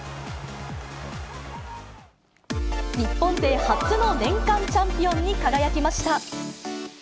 日本勢初の年間チャンピオンに輝きました。